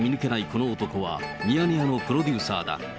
この男は、ミヤネ屋のプロデューサーだ。